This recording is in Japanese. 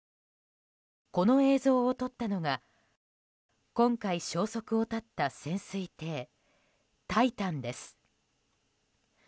この映像を撮ったのが今回、消息を絶った潜水艇「タイタン」です。